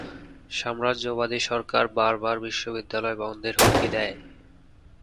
সাম্রাজ্যবাদী সরকার বারবার বিশ্ববিদ্যালয় বন্ধের হুমকি দেয়।